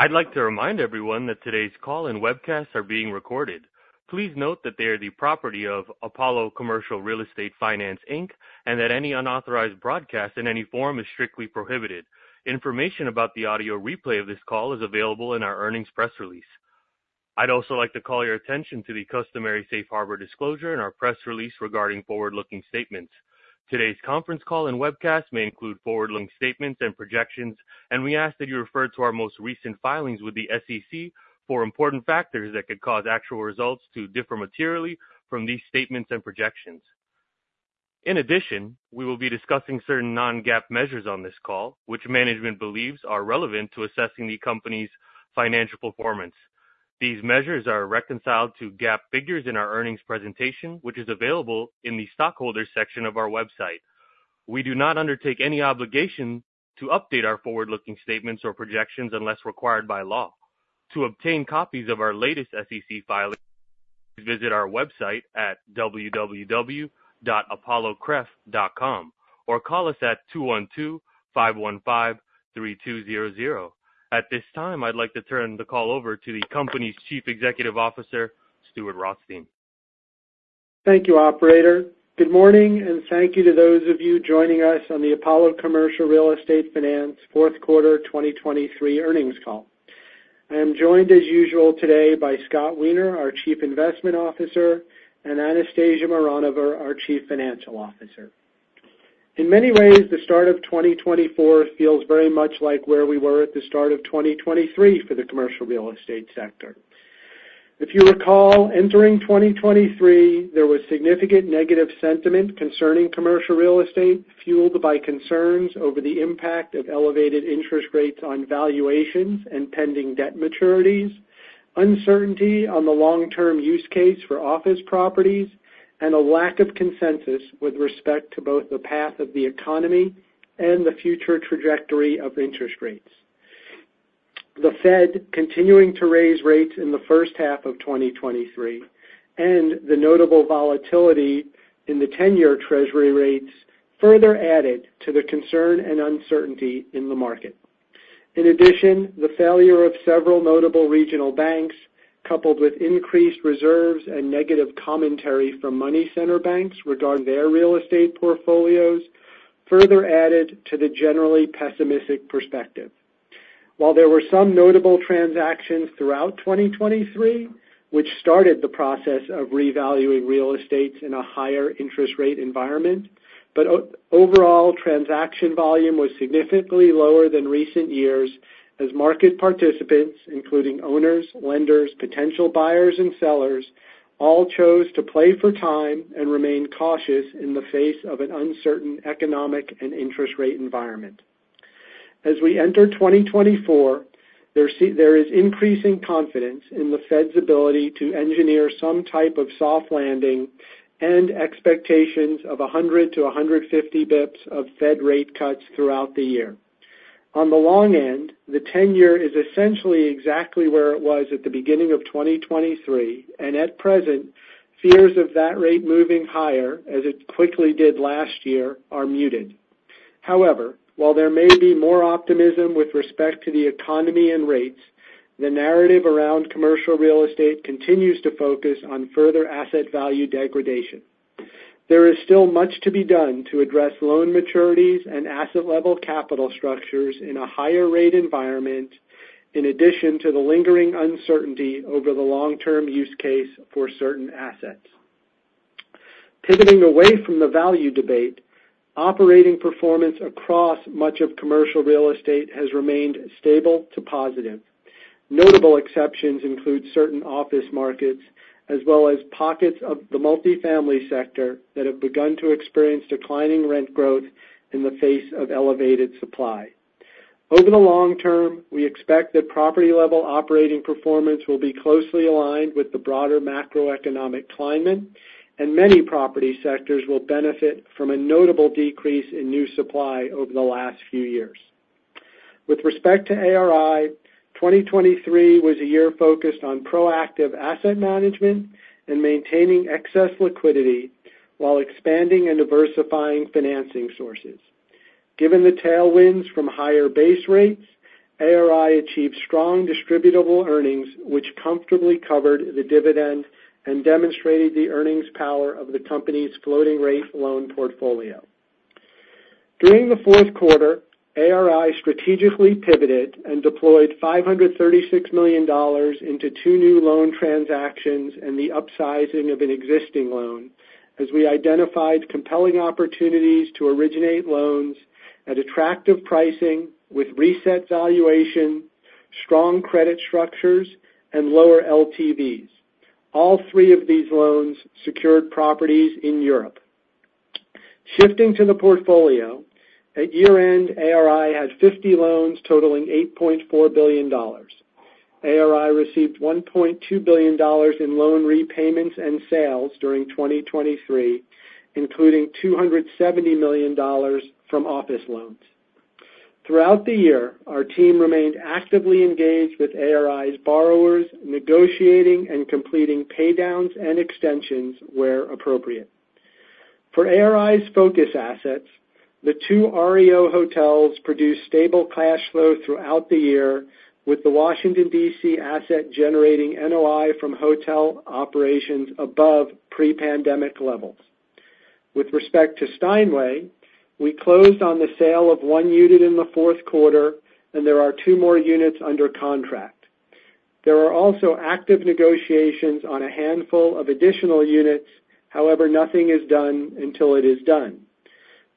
I'd like to remind everyone that today's call and webcast are being recorded. Please note that they are the property of Apollo Commercial Real Estate Finance, Inc., and that any unauthorized broadcast in any form is strictly prohibited. Information about the audio replay of this call is available in our earnings press release. I'd also like to call your attention to the customary safe harbor disclosure in our press release regarding forward-looking statements. Today's conference call and webcast may include forward-looking statements and projections, and we ask that you refer to our most recent filings with the SEC for important factors that could cause actual results to differ materially from these statements and projections. In addition, we will be discussing certain non-GAAP measures on this call, which management believes are relevant to assessing the company's financial performance. These measures are reconciled to GAAP figures in our earnings presentation, which is available in the stockholders section of our website. We do not undertake any obligation to update our forward-looking statements or projections unless required by law. To obtain copies of our latest SEC filings, visit our website at www.apollocref.com, or call us at 212-515-3200. At this time, I'd like to turn the call over to the company's Chief Executive Officer, Stuart Rothstein. Thank you, operator. Good morning, and thank you to those of you joining us on the Apollo Commercial Real Estate Finance fourth quarter 2023 earnings call. I am joined, as usual, today by Scott Weiner, our Chief Investment Officer, and Anastasia Mironova, our Chief Financial Officer. In many ways, the start of 2024 feels very much like where we were at the start of 2023 for the commercial real estate sector. If you recall, entering 2023, there was significant negative sentiment concerning commercial real estate, fueled by concerns over the impact of elevated interest rates on valuations and pending debt maturities, uncertainty on the long-term use case for office properties, and a lack of consensus with respect to both the path of the economy and the future trajectory of interest rates. The Fed continuing to raise rates in the first half of 2023 and the notable volatility in the ten-year Treasury rates further added to the concern and uncertainty in the market. In addition, the failure of several notable regional banks, coupled with increased reserves and negative commentary from money center banks regarding their real estate portfolios, further added to the generally pessimistic perspective. While there were some notable transactions throughout 2023, which started the process of revaluing real estates in a higher interest rate environment, but overall, transaction volume was significantly lower than recent years as market participants, including owners, lenders, potential buyers, and sellers, all chose to play for time and remain cautious in the face of an uncertain economic and interest rate environment. As we enter 2024, there is increasing confidence in the Fed's ability to engineer some type of soft landing and expectations of 100-150 basis points of Fed rate cuts throughout the year. On the long end, the 10-year is essentially exactly where it was at the beginning of 2023, and at present, fears of that rate moving higher, as it quickly did last year, are muted. However, while there may be more optimism with respect to the economy and rates, the narrative around commercial real estate continues to focus on further asset value degradation. There is still much to be done to address loan maturities and asset-level capital structures in a higher rate environment, in addition to the lingering uncertainty over the long-term use case for certain assets. Pivoting away from the value debate, operating performance across much of commercial real estate has remained stable to positive. Notable exceptions include certain office markets, as well as pockets of the multifamily sector that have begun to experience declining rent growth in the face of elevated supply. Over the long term, we expect that property-level operating performance will be closely aligned with the broader macroeconomic climate, and many property sectors will benefit from a notable decrease in new supply over the last few years. With respect to ARI, 2023 was a year focused on proactive asset management and maintaining excess liquidity while expanding and diversifying financing sources. Given the tailwinds from higher base rates, ARI achieved strong distributable earnings, which comfortably covered the dividend and demonstrated the earnings power of the company's floating rate loan portfolio. During the fourth quarter, ARI strategically pivoted and deployed $536 million into two new loan transactions and the upsizing of an existing loan, as we identified compelling opportunities to originate loans at attractive pricing with reset valuation, strong credit structures, and lower LTVs. All three of these loans secured properties in Europe. Shifting to the portfolio, at year-end, ARI had 50 loans totaling $8.4 billion. ARI received $1.2 billion in loan repayments and sales during 2023, including $270 million from office loans. Throughout the year, our team remained actively engaged with ARI's borrowers, negotiating and completing paydowns and extensions where appropriate. For ARI's focus assets, the two REO hotels produced stable cash flow throughout the year, with the Washington, D.C. asset generating NOI from hotel operations above pre-pandemic levels. With respect to Steinway, we closed on the sale of one unit in the fourth quarter, and there are two more units under contract. There are also active negotiations on a handful of additional units. However, nothing is done until it is done.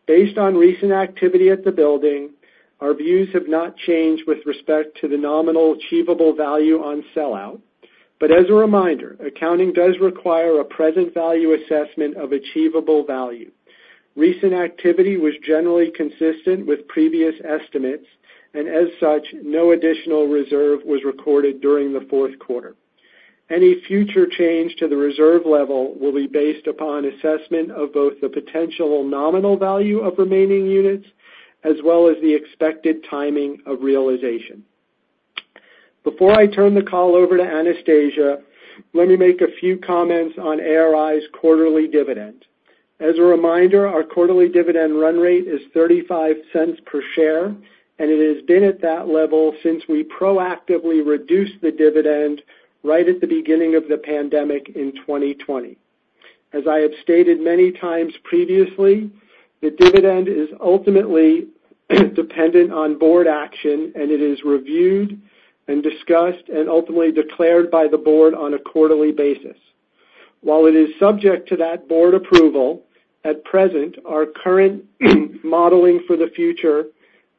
Based on recent activity at the building, our views have not changed with respect to the nominal achievable value on sellout. But as a reminder, accounting does require a present value assessment of achievable value. Recent activity was generally consistent with previous estimates, and as such, no additional reserve was recorded during the fourth quarter. Any future change to the reserve level will be based upon assessment of both the potential nominal value of remaining units, as well as the expected timing of realization. Before I turn the call over to Anastasia, let me make a few comments on ARI's quarterly dividend. As a reminder, our quarterly dividend run rate is $0.35 per share, and it has been at that level since we proactively reduced the dividend right at the beginning of the pandemic in 2020. As I have stated many times previously, the dividend is ultimately dependent on board action, and it is reviewed and discussed and ultimately declared by the board on a quarterly basis. While it is subject to that board approval, at present, our current modeling for the future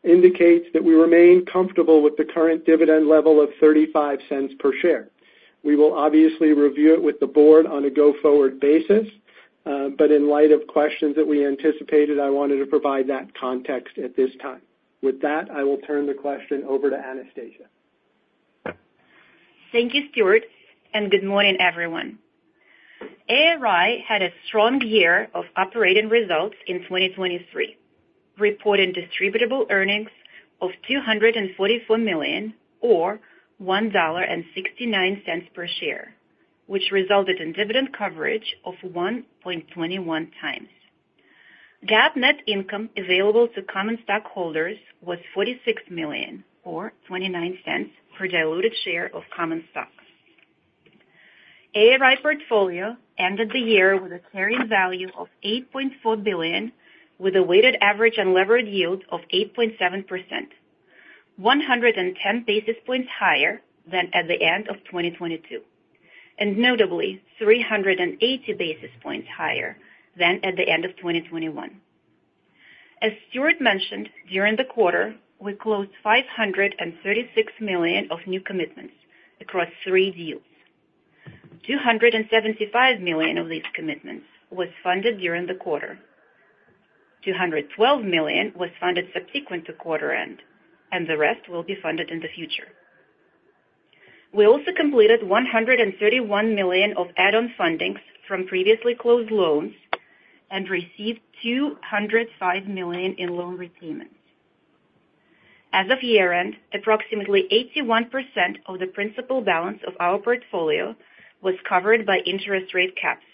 indicates that we remain comfortable with the current dividend level of $0.35 per share. We will obviously review it with the board on a go-forward basis, but in light of questions that we anticipated, I wanted to provide that context at this time. With that, I will turn the question over to Anastasia. Thank you, Stuart, and good morning, everyone. ARI had a strong year of operating results in 2023, reporting distributable earnings of $244 million, or $1.69 per share, which resulted in dividend coverage of 1.21x. GAAP net income available to common stockholders was $46 million, or $0.29 per diluted share of common stock. ARI portfolio ended the year with a carrying value of $8.4 billion, with a weighted average unlevered yield of 8.7%, 110 basis points higher than at the end of 2022, and notably, 380 basis points higher than at the end of 2021. As Stuart mentioned, during the quarter, we closed $536 million of new commitments across three deals. $275 million of these commitments was funded during the quarter. $212 million was funded subsequent to quarter end, and the rest will be funded in the future. We also completed $131 million of add-on fundings from previously closed loans and received $205 million in loan repayments. As of year-end, approximately 81% of the principal balance of our portfolio was covered by interest rate caps.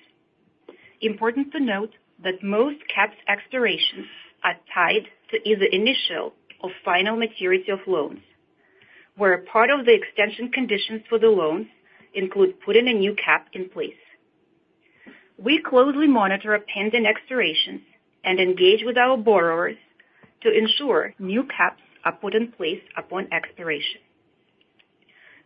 Important to note that most caps expirations are tied to either initial or final maturity of loans, where a part of the extension conditions for the loans include putting a new cap in place. We closely monitor pending expirations and engage with our borrowers to ensure new caps are put in place upon expiration.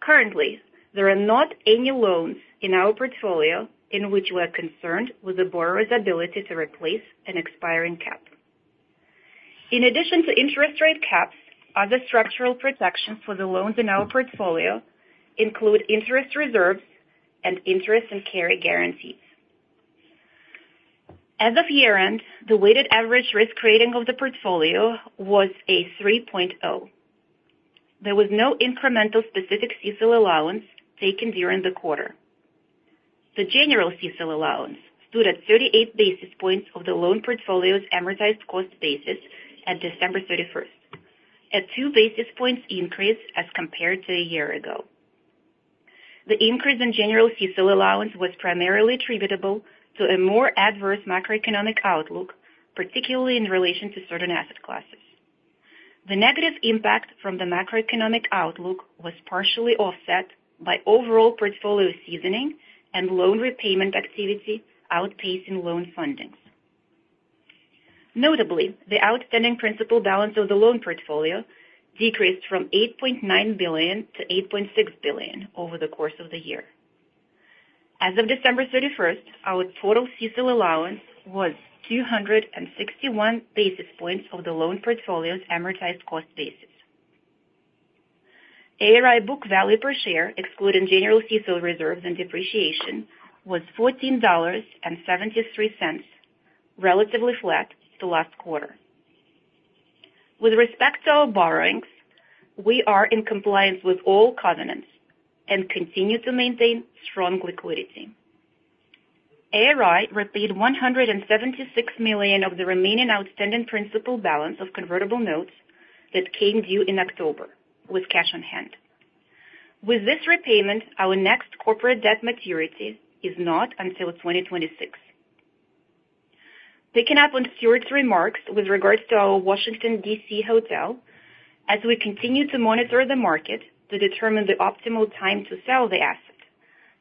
Currently, there are not any loans in our portfolio in which we are concerned with the borrower's ability to replace an expiring cap. In addition to interest rate caps, other structural protections for the loans in our portfolio include interest reserves and interest and carry guarantees. As of year-end, the weighted average risk rating of the portfolio was a 3.0. There was no incremental specific CECL allowance taken during the quarter. The general CECL allowance stood at 38 basis points of the loan portfolio's amortized cost basis at December 31, a 2 basis points increase as compared to a year ago. The increase in general CECL allowance was primarily attributable to a more adverse macroeconomic outlook, particularly in relation to certain asset classes. The negative impact from the macroeconomic outlook was partially offset by overall portfolio seasoning and loan repayment activity outpacing loan fundings. Notably, the outstanding principal balance of the loan portfolio decreased from $8.9 billion-$8.6 billion over the course of the year. As of December 31st, our total CECL allowance was 261 basis points of the loan portfolio's amortized cost basis. ARI book value per share, excluding general CECL reserves and depreciation, was $14.73, relatively flat to last quarter. With respect to our borrowings, we are in compliance with all covenants and continue to maintain strong liquidity. ARI repaid $176 million of the remaining outstanding principal balance of convertible notes that came due in October with cash on hand.... With this repayment, our next corporate debt maturity is not until 2026. Picking up on Stuart's remarks with regards to our Washington, D.C. hotel, as we continue to monitor the market to determine the optimal time to sell the asset,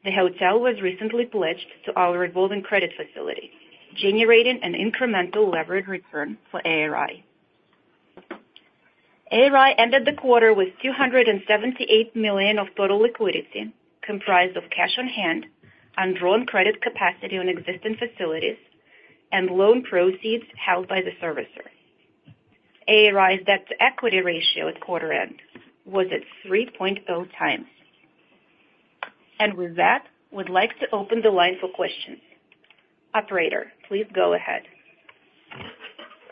the hotel was recently pledged to our revolving credit facility, generating an incremental levered return for ARI. ARI ended the quarter with $278 million of total liquidity, comprised of cash on hand, undrawn credit capacity on existing facilities, and loan proceeds held by the servicer. ARI's debt to equity ratio at quarter end was at 3.0x. And with that, we'd like to open the line for questions. Operator, please go ahead.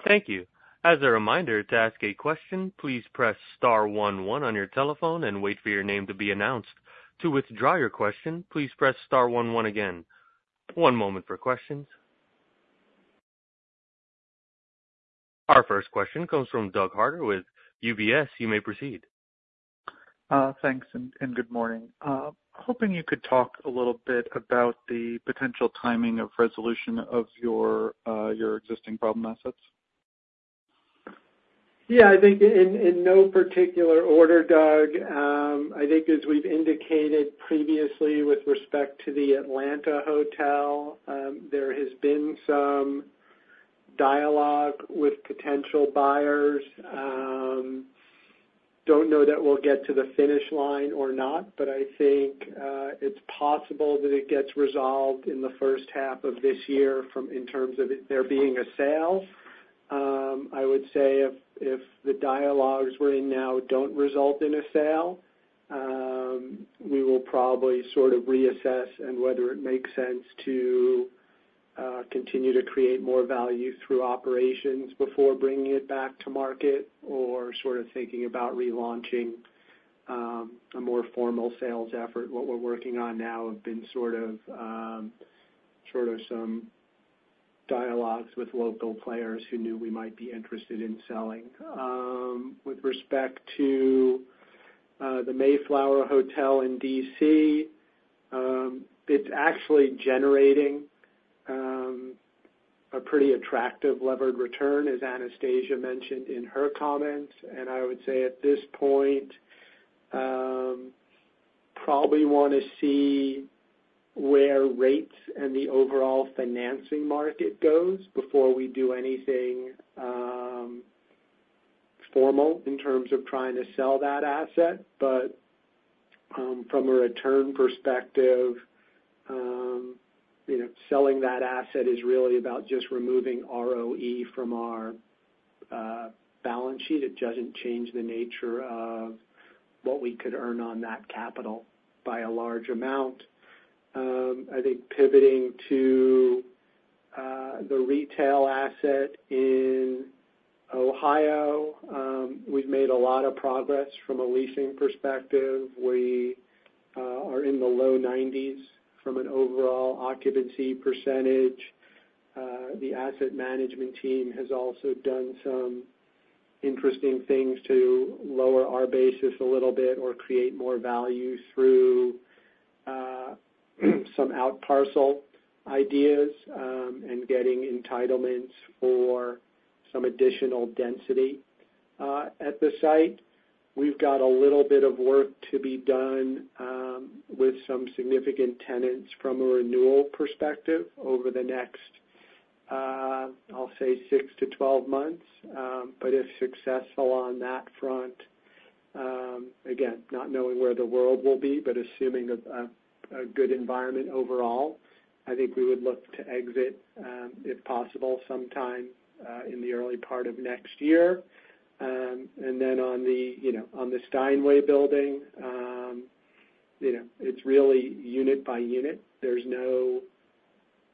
Thank you. As a reminder, to ask a question, please press star one one on your telephone and wait for your name to be announced. To withdraw your question, please press star one one again. One moment for questions. Our first question comes from Doug Harter with UBS. You may proceed. Thanks, and good morning. Hoping you could talk a little bit about the potential timing of resolution of your existing problem assets. Yeah, I think in, in no particular order, Doug, I think as we've indicated previously with respect to the Atlanta hotel, there has been some dialogue with potential buyers. Don't know that we'll get to the finish line or not, but I think, it's possible that it gets resolved in the first half of this year from in terms of there being a sale. I would say if, if the dialogues we're in now don't result in a sale, we will probably sort of reassess and whether it makes sense to, continue to create more value through operations before bringing it back to market, or sort of thinking about relaunching, a more formal sales effort. What we're working on now have been sort of, sort of some dialogues with local players who knew we might be interested in selling. With respect to the Mayflower Hotel in D.C., it's actually generating a pretty attractive levered return, as Anastasia mentioned in her comments. And I would say at this point, probably want to see where rates and the overall financing market goes before we do anything formal in terms of trying to sell that asset. But from a return perspective, you know, selling that asset is really about just removing REO from our balance sheet. It doesn't change the nature of what we could earn on that capital by a large amount. I think pivoting to the retail asset in Ohio, we've made a lot of progress from a leasing perspective. We are in the low 90s from an overall occupancy percentage. The asset management team has also done some interesting things to lower our basis a little bit or create more value through some outparcel ideas and getting entitlements for some additional density at the site. We've got a little bit of work to be done with some significant tenants from a renewal perspective over the next, I'll say, 6-12 months. But if successful on that front, again, not knowing where the world will be, but assuming a good environment overall, I think we would look to exit, if possible, sometime in the early part of next year. And then on the, you know, on the Steinway building, you know, it's really unit by unit. There's no,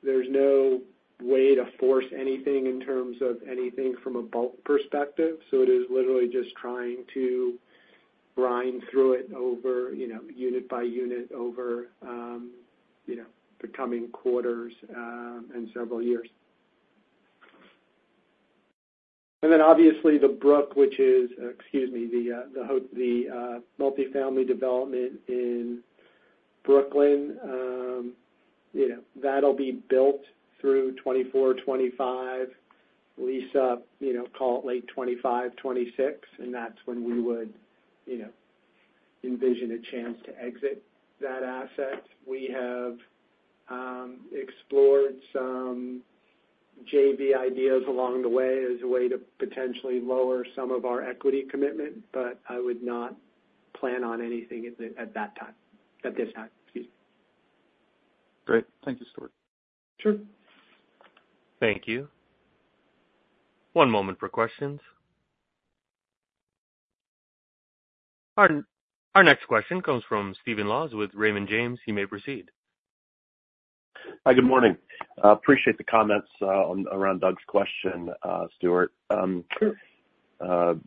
there's no way to force anything in terms of anything from a bulk perspective, so it is literally just trying to grind through it over, you know, unit by unit over, the coming quarters, and several years. And then obviously The Brook, which is, excuse me, the multifamily development in Brooklyn, you know, that'll be built through 2024, 2025. Lease up, you know, call it late 2025, 2026, and that's when we would, you know, envision a chance to exit that asset. We have explored some JV ideas along the way as a way to potentially lower some of our equity commitment, but I would not plan on anything at the, at that time, at this time, excuse me. Great. Thank you, Stuart. Sure. Thank you. One moment for questions. Our next question comes from Stephen Laws with Raymond James. He may proceed. Hi, good morning. I appreciate the comments on around Doug's question, Stuart. Sure.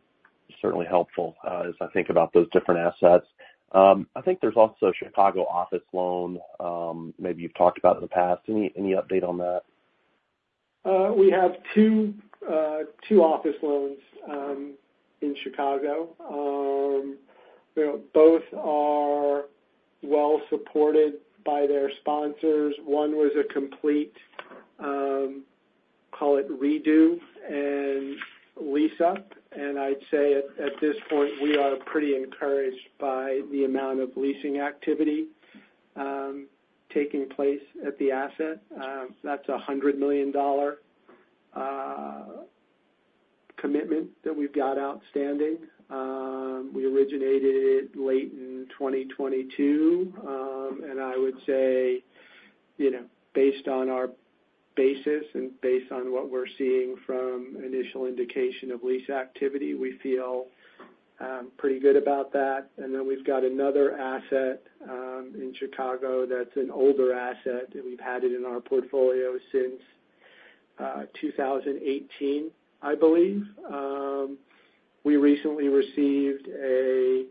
Certainly helpful, as I think about those different assets. I think there's also a Chicago office loan, maybe you've talked about in the past. Any update on that? We have two office loans in Chicago. You know, both are well supported by their sponsors. One was a complete, call it redo and lease up. And I'd say at this point, we are pretty encouraged by the amount of leasing activity taking place at the asset. That's a $100 million commitment that we've got outstanding. We originated it late in 2022. And I would say, you know, based on our basis and based on what we're seeing from initial indication of lease activity, we feel pretty good about that. And then we've got another asset in Chicago that's an older asset, and we've had it in our portfolio since 2018, I believe. We recently received a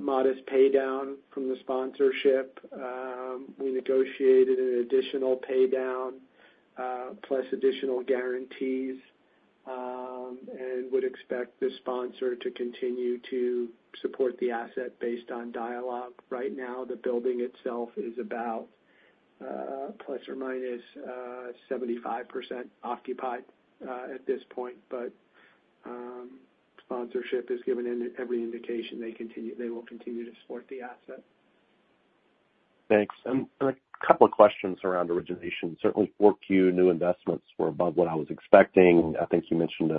modest paydown from the sponsorship. We negotiated an additional pay down, plus additional guarantees, and would expect the sponsor to continue to support the asset based on dialogue. Right now, the building itself is about ±75% occupied at this point. But, sponsorship has given every indication they will continue to support the asset. Thanks. And a couple of questions around origination. Certainly, 4Q, new investments were above what I was expecting. I think you mentioned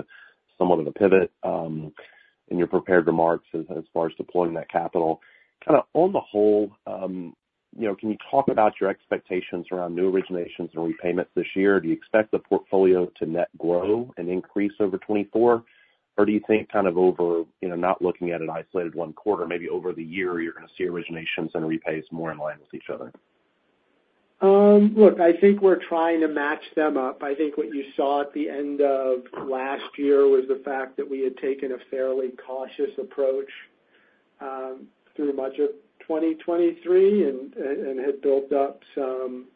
somewhat of a pivot in your prepared remarks as far as deploying that capital. Kind of on the whole, you know, can you talk about your expectations around new originations and repayments this year? Do you expect the portfolio to net grow and increase over 2024? Or do you think kind of over, you know, not looking at an isolated one quarter, maybe over the year, you're gonna see originations and repays more in line with each other? Look, I think we're trying to match them up. I think what you saw at the end of last year was the fact that we had taken a fairly cautious approach through much of 2023, and had built up some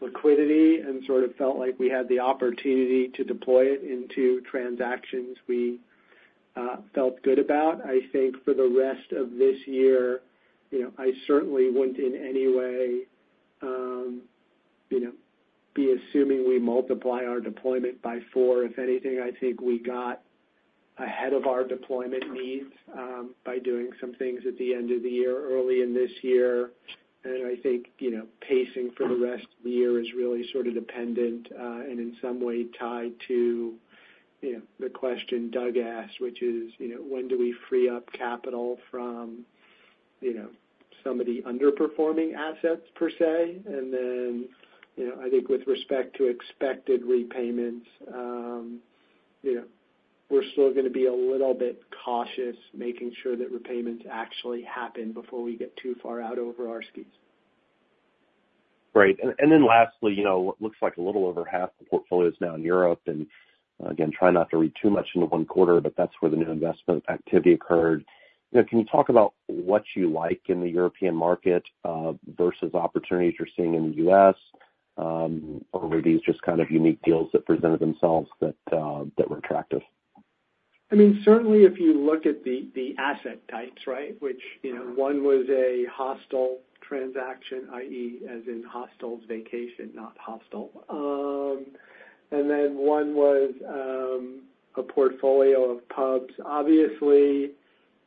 liquidity and sort of felt like we had the opportunity to deploy it into transactions we felt good about. I think for the rest of this year, you know, I certainly wouldn't in any way, you know, be assuming we multiply our deployment by four. If anything, I think we got ahead of our deployment needs by doing some things at the end of the year, early in this year. I think, you know, pacing for the rest of the year is really sort of dependent, and in some way tied to, you know, the question Doug asked, which is, you know, when do we free up capital from, you know, some of the underperforming assets, per se? Then, you know, I think with respect to expected repayments, you know, we're still gonna be a little bit cautious, making sure that repayments actually happen before we get too far out over our skis. Great. And then lastly, you know, what looks like a little over half the portfolio is now in Europe, and again, trying not to read too much into one quarter, but that's where the new investment activity occurred. You know, can you talk about what you like in the European market versus opportunities you're seeing in the U.S. over these just kind of unique deals that presented themselves that were attractive? I mean, certainly, if you look at the asset types, right, which, you know, one was a hostel transaction, i.e., as in hostel vacation, not hostile. And then one was a portfolio of pubs. Obviously,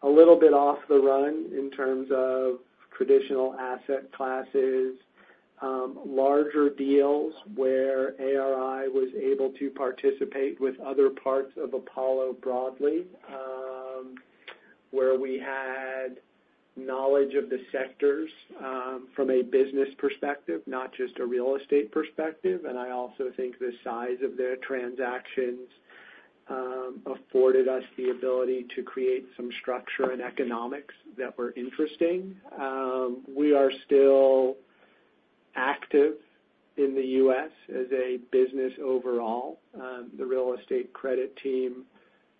a little bit off the run in terms of traditional asset classes, larger deals where ARI was able to participate with other parts of Apollo broadly, where we had knowledge of the sectors, from a business perspective, not just a real estate perspective. And I also think the size of their transactions afforded us the ability to create some structure and economics that were interesting. We are still active in the U.S. as a business overall. The real estate credit team,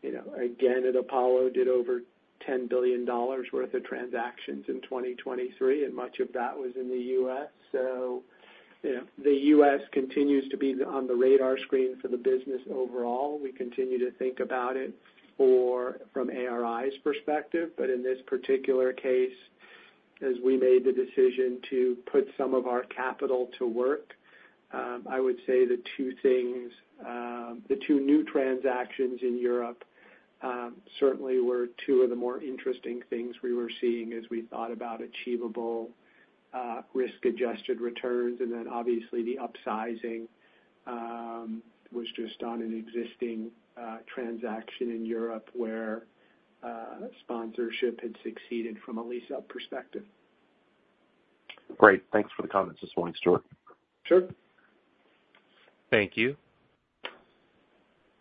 you know, again, at Apollo, did over $10 billion worth of transactions in 2023, and much of that was in the U.S. So, you know, the U.S. continues to be on the radar screen for the business overall. We continue to think about it from ARI's perspective. But in this particular case, as we made the decision to put some of our capital to work, I would say the two things, the two new transactions in Europe, certainly were two of the more interesting things we were seeing as we thought about achievable, risk-adjusted returns. And then obviously, the upsizing was just on an existing, transaction in Europe, where, sponsorship had succeeded from a lease-up perspective. Great. Thanks for the comments this morning, Stuart. Sure. Thank you.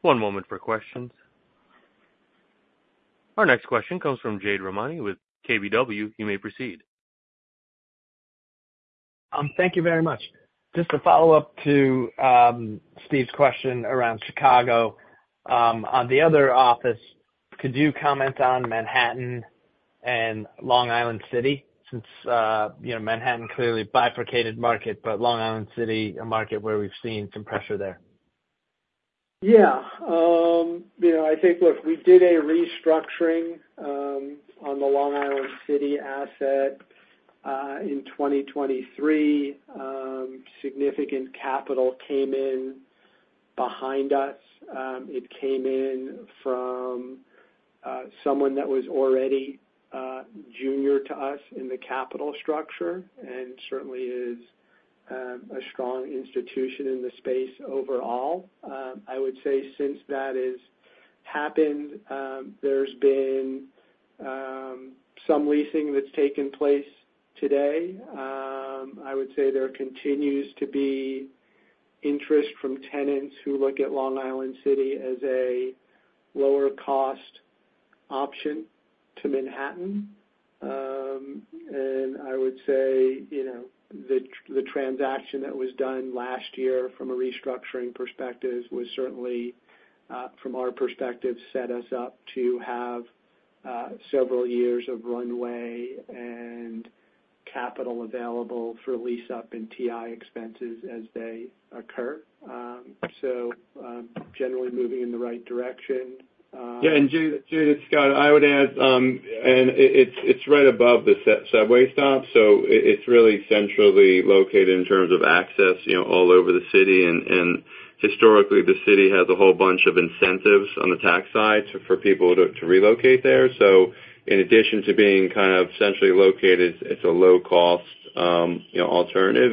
One moment for questions. Our next question comes from Jade Rahmani with KBW. You may proceed. Thank you very much. Just a follow-up to Steve's question around Chicago. On the other office, could you comment on Manhattan and Long Island City, since, you know, Manhattan clearly bifurcated market, but Long Island City, a market where we've seen some pressure there. Yeah. You know, I think, look, we did a restructuring on the Long Island City asset in 2023. Significant capital came in behind us. It came in from someone that was already junior to us in the capital structure, and certainly is a strong institution in the space overall. I would say since that has happened, there's been some leasing that's taken place today. I would say there continues to be interest from tenants who look at Long Island City as a lower cost option to Manhattan. And I would say, you know, the transaction that was done last year from a restructuring perspective was certainly from our perspective set us up to have several years of runway and capital available for lease up and TI expenses as they occur. So, generally moving in the right direction. Yeah, and Jade, it's Scott, I would add, and it, it's right above the subway stop, so it's really centrally located in terms of access, you know, all over the city. And historically, the city has a whole bunch of incentives on the tax side for people to relocate there. So in addition to being kind of centrally located, it's a low cost, you know, alternative.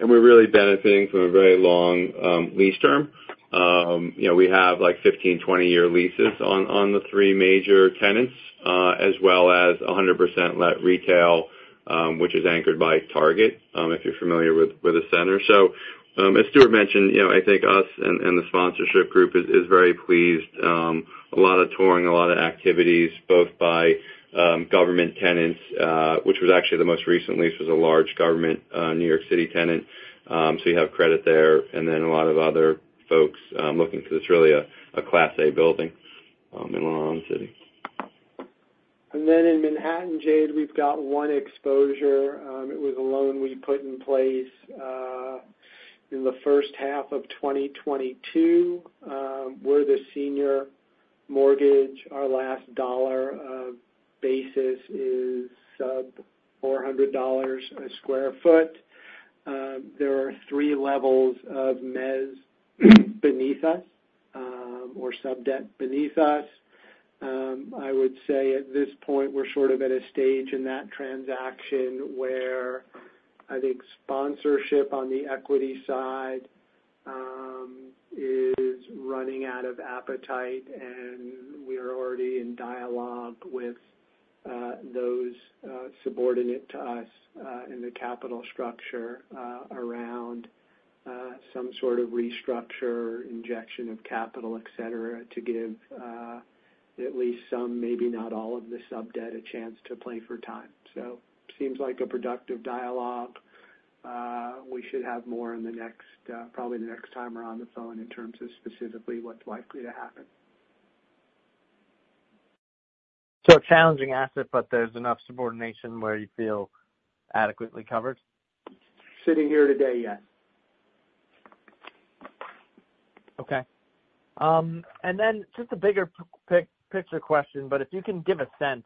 And we're really benefiting from a very long lease term. You know, we have like 15, 20-year leases on the three major tenants, as well as 100% let retail, which is anchored by Target, if you're familiar with the center. So, as Stuart mentioned, you know, I think us and the sponsorship group is very pleased. A lot of touring, a lot of activities, both by government tenants, which was actually the most recent lease was a large government New York City tenant. So you have credit there, and then a lot of other folks looking, because it's really a Class A building in Long Island City. Then in Manhattan, Jade, we've got one exposure. It was a loan we put in place in the first half of 2022. We're the senior mortgage. Our last dollar of basis is sub $400/sq ft. There are three levels of mezz beneath us, or sub debt beneath us. I would say at this point, we're sort of at a stage in that transaction where I think sponsorship on the equity side is running out of appetite, and we are already in dialogue with those subordinate to us in the capital structure around some sort of restructure, injection of capital, et cetera, to give at least some, maybe not all of the sub-debt, a chance to play for time. So seems like a productive dialogue. We should have more in the next, probably the next time we're on the phone, in terms of specifically what's likely to happen. A challenging asset, but there's enough subordination where you feel adequately covered? Sitting here today, yes. Okay. And then just a bigger picture question, but if you can give a sense,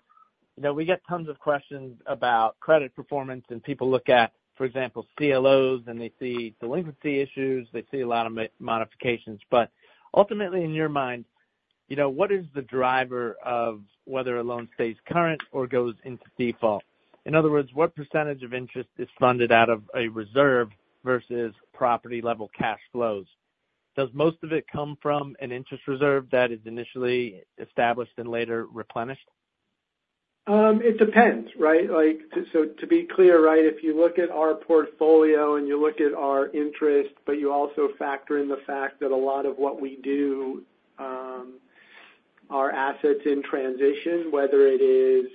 you know, we get tons of questions about credit performance, and people look at, for example, CLOs, and they see delinquency issues, they see a lot of modifications. But ultimately, in your mind, you know, what is the driver of whether a loan stays current or goes into default? In other words, what percentage of interest is funded out of a reserve versus property-level cash flows? Does most of it come from an interest reserve that is initially established and later replenished? It depends, right? Like, so to be clear, right, if you look at our portfolio and you look at our interest, but you also factor in the fact that a lot of what we do are assets in transition, whether it is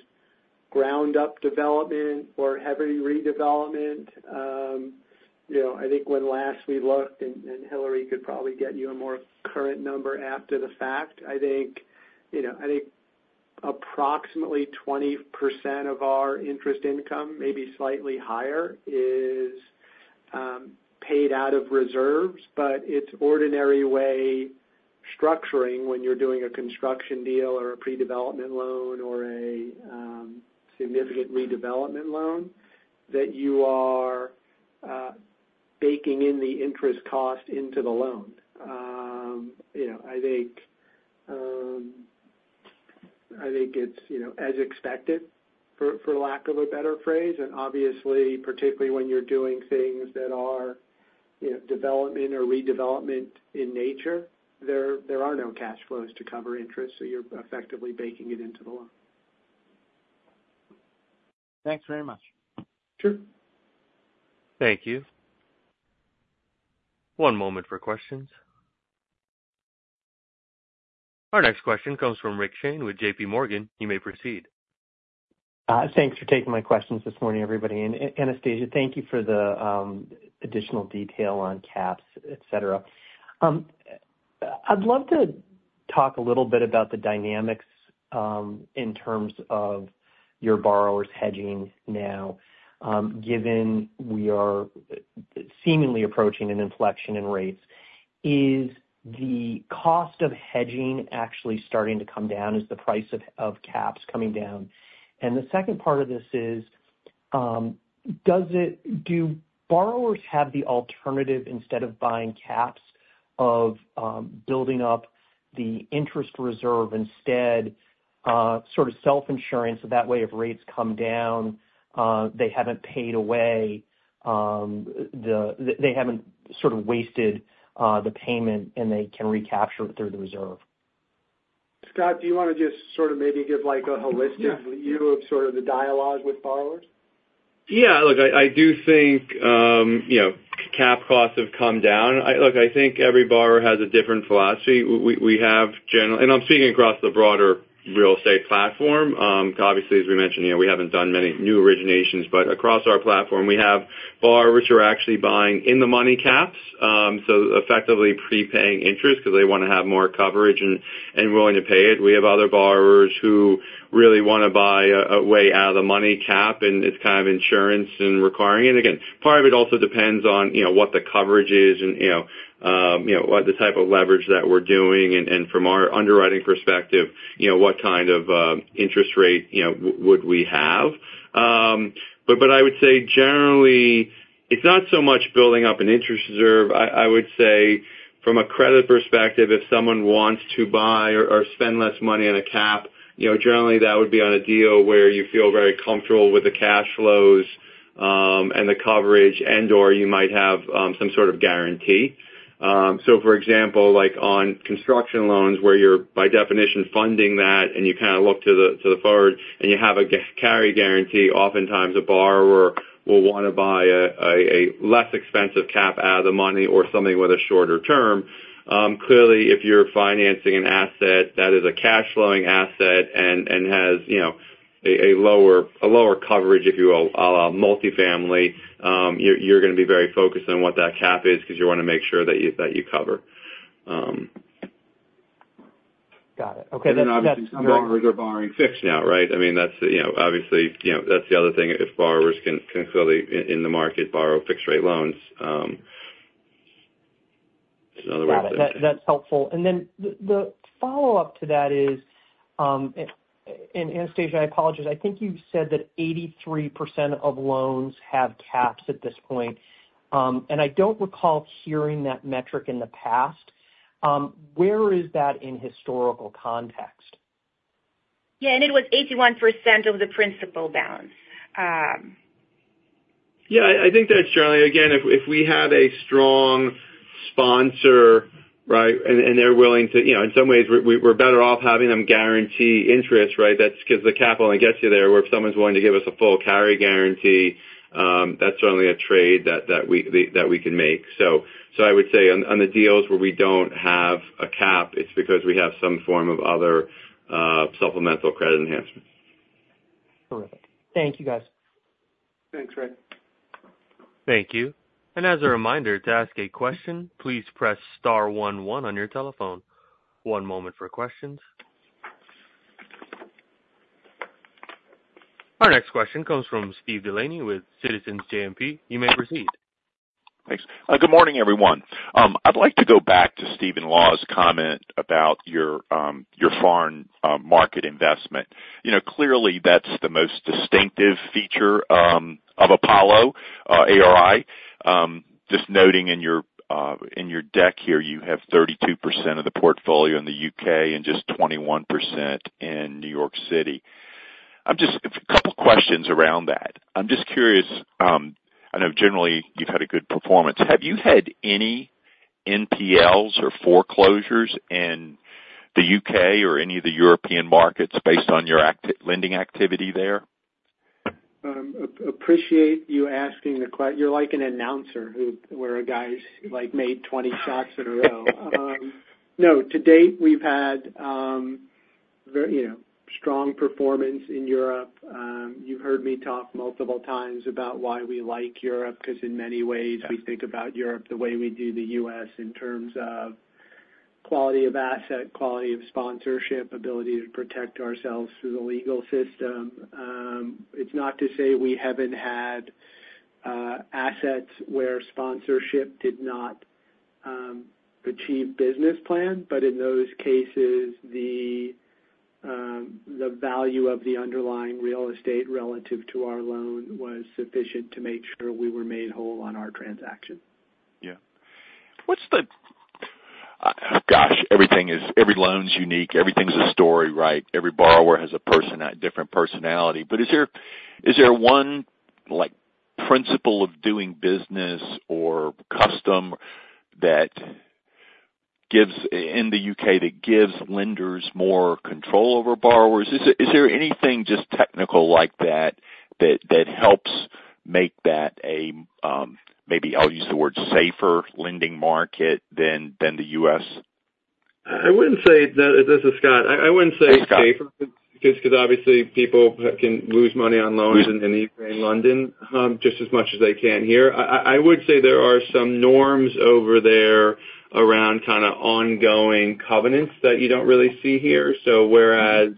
ground up development or heavy redevelopment, you know, I think when last we looked, and, and Hilary could probably get you a more current number after the fact, I think, you know, I think approximately 20% of our interest income, maybe slightly higher, is paid out of reserves. But it's ordinary way structuring when you're doing a construction deal or a pre-development loan or a significant redevelopment loan, that you are baking in the interest cost into the loan. You know, I think it's, you know, as expected, for lack of a better phrase, and obviously, particularly when you're doing things that are, you know, development or redevelopment in nature, there are no cash flows to cover interest, so you're effectively baking it into the loan. Thanks very much. Sure. Thank you. One moment for questions. Our next question comes from Rick Shane with JPMorgan. You may proceed. Thanks for taking my questions this morning, everybody, and Anastasia, thank you for the additional detail on caps, et cetera. I'd love to talk a little bit about the dynamics, in terms of your borrowers hedging now, given we are seemingly approaching an inflection in rates. Is the cost of hedging actually starting to come down? Is the price of caps coming down? And the second part of this is, does it-- do borrowers have the alternative, instead of buying caps, of building up the interest reserve instead, sort of self-insurance, so that way if rates come down, they haven't paid away, they haven't sort of wasted the payment, and they can recapture it through the reserve? Scott, do you wanna just sort of maybe give, like, a holistic view of sort of the dialogue with borrowers? Yeah, look, I do think, you know, cap costs have come down. Look, I think every borrower has a different philosophy. We have general-- and I'm speaking across the broader real estate platform. Obviously, as we mentioned, you know, we haven't done many new originations. But across our platform, we have borrowers who are actually buying in-the-money caps, so effectively prepaying interest because they wanna have more coverage and willing to pay it. We have other borrowers who really wanna buy a way out-of-the-money cap, and it's kind of insurance and requiring. And again, part of it also depends on, you know, what the coverage is, and, you know, what the type of leverage that we're doing, and from our underwriting perspective, you know, what kind of interest rate, you know, would we have? But I would say generally, it's not so much building up an interest reserve. I would say from a credit perspective, if someone wants to buy or spend less money on a cap, you know, generally that would be on a deal where you feel very comfortable with the cash flows, and the coverage, and/or you might have some sort of guarantee. So for example, like on construction loans, where you're by definition funding that, and you kind of look to the forward, and you have a carry guarantee, oftentimes a borrower will wanna buy a less expensive cap out-of-the-money or something with a shorter term. Clearly, if you're financing an asset that is a cash-flowing asset and has, you know, a lower coverage, if you will, I'll allow multifamily, you're gonna be very focused on what that cap is because you wanna make sure that you cover. Got it. Okay, that's- Obviously, some borrowers are borrowing fixed now, right? I mean, that's, you know, obviously, you know, that's the other thing, if borrowers can clearly in the market borrow fixed-rate loans, in other words. Got it. That's helpful. And then the follow-up to that is, and Anastasia, I apologize. I think you've said that 83% of loans have caps at this point, and I don't recall hearing that metric in the past. Where is that in historical context? Yeah, and it was 81% of the principal balance. Yeah, I think that, again, if we have a strong sponsor, right, and they're willing to... You know, in some ways we're better off having them guarantee interest, right? That's because the cap only gets you there, where if someone's willing to give us a full carry guarantee, that's certainly a trade that we can make. So I would say on the deals where we don't have a cap, it's because we have some form of other supplemental credit enhancement. Terrific. Thank you, guys. Thanks, Rick. Thank you. As a reminder, to ask a question, please press star one one on your telephone. One moment for questions. Our next question comes from Steve Delaney with Citizens JMP. You may proceed. Thanks. Good morning, everyone. I'd like to go back to Stephen Laws's comment about your foreign market investment. You know, clearly, that's the most distinctive feature of Apollo ARI. Just noting in your deck here, you have 32% of the portfolio in the U.K. and just 21% in New York City. I've just a couple questions around that. I'm just curious. I know generally you've had a good performance. Have you had any NPLs or foreclosures in the UK or any of the European markets based on your lending activity there? Appreciate you asking the question. You're like an announcer who, where a guy's like made 20 shots in a row. No, to date, we've had very, you know, strong performance in Europe. You've heard me talk multiple times about why we like Europe, because in many ways- Yeah... we think about Europe the way we do the U.S. in terms of quality of asset, quality of sponsorship, ability to protect ourselves through the legal system. It's not to say we haven't had assets where sponsorship did not achieve business plan, but in those cases, the value of the underlying real estate relative to our loan was sufficient to make sure we were made whole on our transaction. Yeah. What's the... Gosh, everything is, every loan's unique, everything's a story, right? Every borrower has a person, a different personality. But is there, is there one, like, principle of doing business or custom that gives, in the U.K., that gives lenders more control over borrowers? Is there, is there anything just technical like that, that, that helps make that a, maybe I'll use the word, safer lending market than, than the U.S.? I wouldn't say that. This is Scott. I wouldn't say- Scott... safer, because obviously people can lose money on loans- Yeah In London just as much as they can here. I would say there are some norms over there around kind of ongoing covenants that you don't really see here. So whereas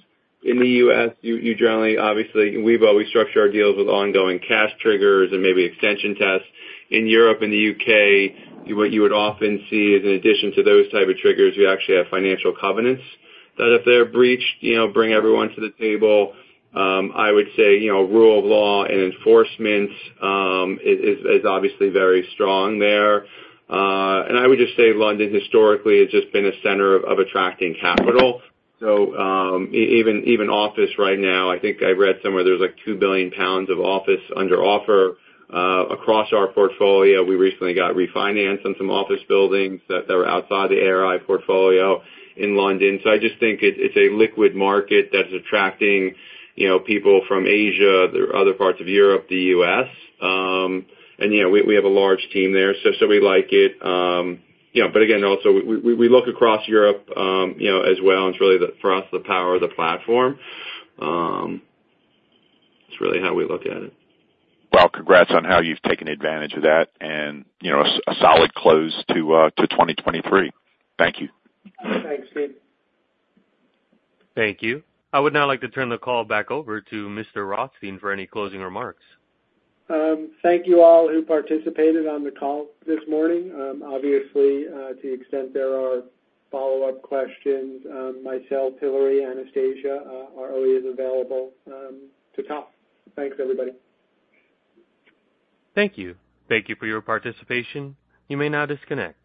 in the U.S., you generally, obviously, we've always structured our deals with ongoing cash triggers and maybe extension tests. In Europe and the U.K., what you would often see is, in addition to those type of triggers, you actually have financial covenants that if they're breached, you know, bring everyone to the table. I would say, you know, rule of law and enforcement is obviously very strong there. And I would just say London historically has just been a center of attracting capital. So, even office right now, I think I read somewhere there's like 2 billion pounds of office under offer. Across our portfolio, we recently got refinance on some office buildings that were outside the ARI portfolio in London. So I just think it, it's a liquid market that's attracting, you know, people from Asia, other parts of Europe, the U.S. And, you know, we have a large team there, so we like it. You know, but again, also, we look across Europe, you know, as well, and it's really the, for us, the power of the platform. That's really how we look at it. Well, congrats on how you've taken advantage of that and, you know, a solid close to 2023. Thank you. Thanks, Steve. Thank you. I would now like to turn the call back over to Mr. Rothstein for any closing remarks. Thank you all who participated on the call this morning. Obviously, to the extent there are follow-up questions, myself, Hilary, Anastasia, are always available to talk. Thanks, everybody. Thank you. Thank you for your participation. You may now disconnect.